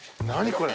これ。